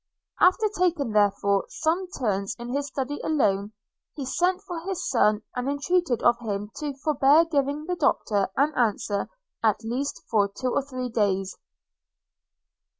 After taking, therefore, some turns in his Study alone, he sent for his son, and entreated of him to forbear giving the Doctor an answer at least for two or three days.